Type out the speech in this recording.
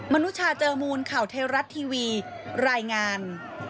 นุชาเจอมูลข่าวเทวรัฐทีวีรายงาน